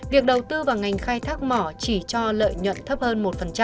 việc đầu tư vào ngành khai thác mỏ chỉ cho lợi nhuận thấp hơn một